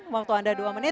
waktu anda dua menit